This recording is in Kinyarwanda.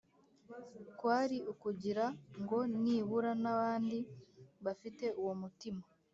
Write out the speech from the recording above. kwari ukugira ngo nibura n’abandi bafite uwo mutima